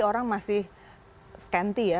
orang masih scanty ya